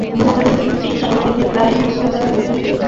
দুই বছর ধরে স্ত্রীর চিকিৎসা করাতে গিয়ে প্রায় নিঃস্ব হয়ে পড়েছেন তিনি।